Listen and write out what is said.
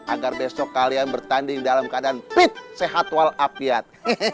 agar besok kalian bertanding dalam keadaan fit sehat walafiat